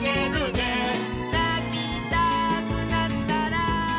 「なきたくなったら」